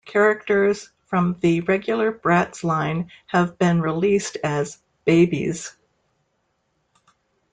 Characters from the regular Bratz line have been released as Babyz.